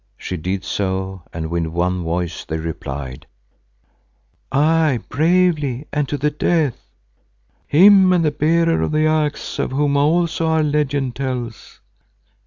She did so and with one voice they replied, "Aye, bravely and to the death, him and the Bearer of the Axe of whom also our legend tells."